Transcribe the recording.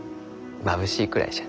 まぶしいくらいじゃ。